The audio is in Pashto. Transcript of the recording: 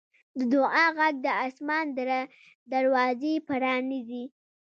د دعا غږ د اسمان دروازې پرانیزي.